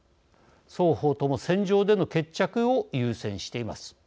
双方とも戦場での決着を優先しています。